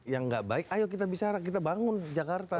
yang gak baik ayo kita bicara kita bangun jakarta